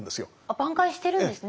挽回してるんですね。